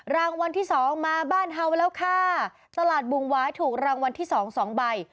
รางวัลที่สองมาบ้านเฮามาแล้วค่ะตลาดบุงวายถูกรางวัลที่สองสองใบ